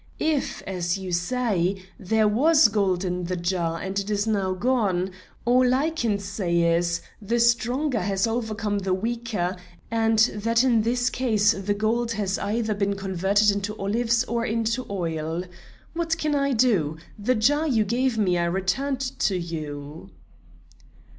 If, as you say, there was gold in the jar and it is now gone, all I can say is, the stronger has overcome the weaker, and that in this case the gold has either been converted into olives or into oil. What can I do? The jar you gave me I returned to you."